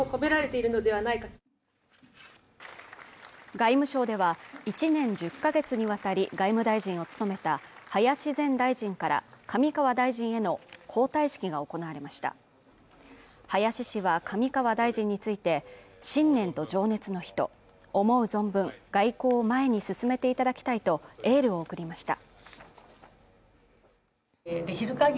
外務省では１年１０か月にわたり外務大臣を務めた林前大臣から上川大臣への交代式が行われました林氏は上川大臣について信念と情熱の人思う存分外交を前に進めていただきたいとエールを送りました